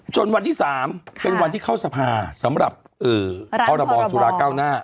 จนวันที่๓เป็นวันที่เข้าสภาสำหรับอือร่างพรบอสุราเก้าหน้า